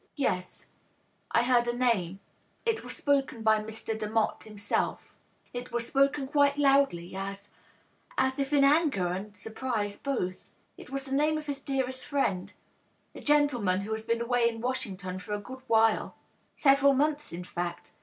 " Yes ; I heard a name. It was spoken by Mr. Demotte himself. It was spoken quite loudly, as — as if in anger and surprise, both. It was the name of his dearest friend — ^a gentleman who has been away in Washington for a good while — several months, in fact.